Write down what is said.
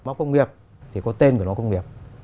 má công nghiệp thì có tên của nó công nghiệp